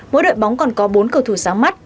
mỗi đội bóng còn có bốn cầu thủ sáng mắt